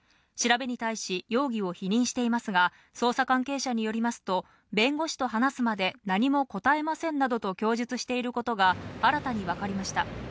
調べに対し、容疑を否認していますが、捜査関係者によりますと、弁護士と話すまで何も答えませんなどと供述していることが、新たに分かりました。